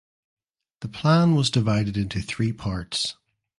The plan was divided into three parts.